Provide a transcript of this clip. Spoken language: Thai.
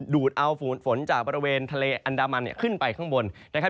ดูดเอาฝนจากบริเวณทะเลอันดามันเนี่ยขึ้นไปข้างบนนะครับ